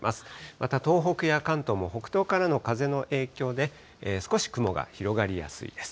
また、東北や関東も北東からの風の影響で、少し雲が広がりやすいです。